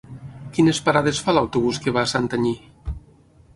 Quines parades fa l'autobús que va a Santanyí?